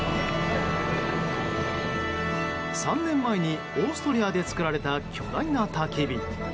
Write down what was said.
３年前にオーストリアで作られた巨大なたき火。